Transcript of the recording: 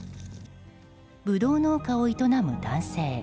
ブドウ農家を営む男性。